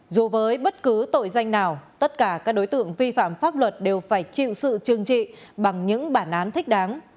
dù với bất cứ tội danh nào tất cả các đối tượng vi phạm pháp luật đều phải chịu sự trừng trị bằng những bản án thích đáng